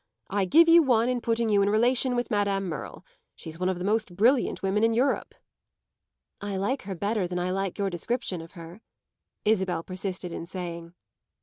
I give you one in putting you in relation with Madame Merle. She's one of the most brilliant women in Europe." "I like her better than I like your description of her," Isabel persisted in saying.